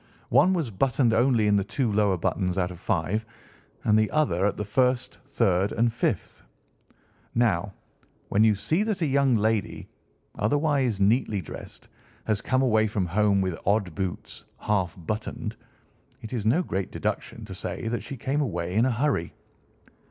One was buttoned only in the two lower buttons out of five, and the other at the first, third, and fifth. Now, when you see that a young lady, otherwise neatly dressed, has come away from home with odd boots, half buttoned, it is no great deduction to say that she came away in a hurry."